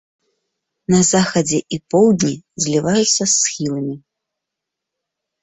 На захадзе і поўдні зліваюцца з схіламі.